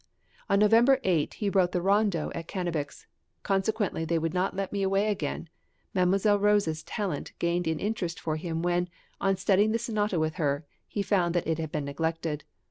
'" On November 8 he wrote the rondo at Cannabich's, "consequently they would not let me away again. Mdlle. Rose's talent gained in interest for him when, on studying this sonata with her, he found that it had been neglected.